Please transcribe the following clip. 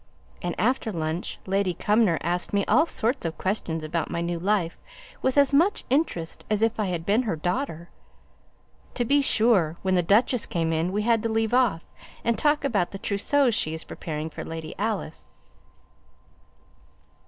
And after lunch Lady Cumnor asked me all sorts of questions about my new life with as much interest as if I had been her daughter. To be sure, when the duchess came in we had to leave off, and talk about the trousseau she is preparing for Lady Alice.